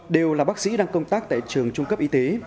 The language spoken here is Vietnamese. đều là bác sĩ đang công tác tại trường trung cấp y tế